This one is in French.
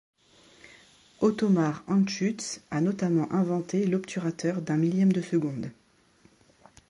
Ottomar Anschütz a notamment inventé l'obturateur d'un millième de seconde.